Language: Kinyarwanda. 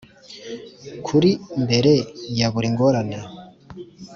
kuri mbere ya buri ngorane,